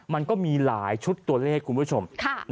มันก็มีหลายชุดตัวเลขคุณผู้ชม